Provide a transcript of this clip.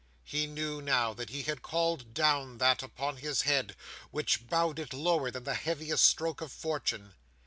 He knew, now, that he had called down that upon his head, which bowed it lower than the heaviest stroke of fortune.